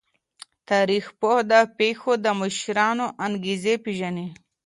تاریخ پوه د پیښو د مشرانو انګیزې پیژني.